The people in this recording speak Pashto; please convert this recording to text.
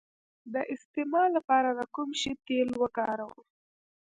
د استما لپاره د کوم شي تېل وکاروم؟